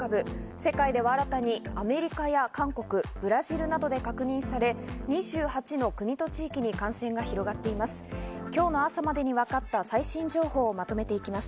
世界では新たにアメリカや韓国、ブラジルなどで確認され、２８の国と地域に感染が広がっています。